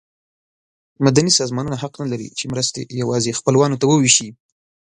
مدني سازمانونه حق نه لري چې مرستې یوازې خپلوانو ته وویشي.